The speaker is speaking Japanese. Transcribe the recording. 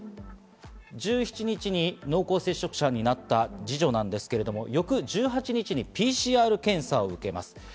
１７日に濃厚接触者になった二女なんですけれど、翌１８日にＰＣＲ検査を受けます。